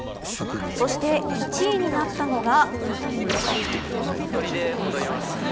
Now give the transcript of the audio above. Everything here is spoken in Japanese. そして１位になったのが。